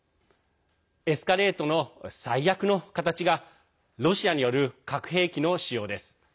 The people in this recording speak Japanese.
エスカレートの最悪の形がロシアによる核兵器の使用です。